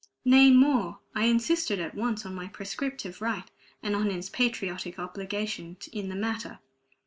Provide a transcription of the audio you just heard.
Nay, more, I insisted at once on my prescriptive right and on his patriotic obligation in the matter.